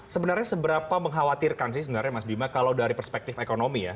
sebenarnya seberapa mengkhawatirkan sih sebenarnya mas bima kalau dari perspektif ekonomi ya